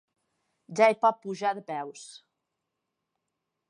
Ja hi pot pujar de peus.